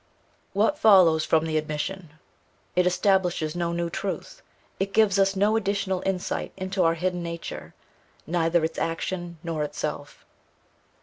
What follows from the admission? It establishes no new truth, it gives us no additional insight into our hidden nature, neither its action nor itself.